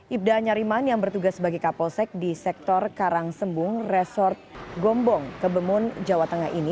ibda nyariman yang bertugas sebagai kapolsek di sektor karangsembung resort gombong kebemun jawa tengah ini